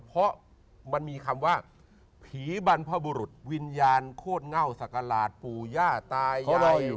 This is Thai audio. เพราะมันมีคำว่าผีบรรพบุรุษวิญญาณโคตรเง่าศักราชปู่ย่าตายอยู่